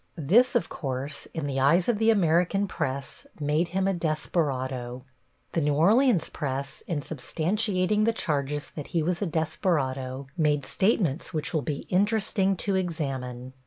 This, of course, in the eyes of the American press, made him a desperado. The New Orleans press, in substantiating the charges that he was a desperado, make statements which will be interesting to examine.